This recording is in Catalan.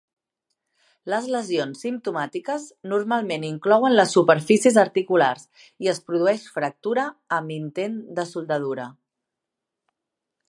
Les lesiones simptomàtiques normalment inclouen les superfícies articulars i es produeix fractura amb intent de soldadura.